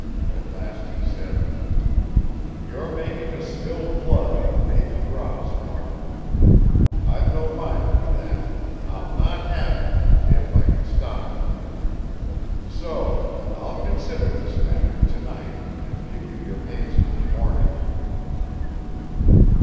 At last he said: "You're making to spill blood on the Nathan Ross, Mark. I've no mind for that. I'll not have it if I can stop it. So ... I'll consider this matter, to night, and give you your answer in the morning."